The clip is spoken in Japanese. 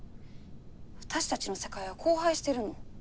私たちの世界は荒廃してるの。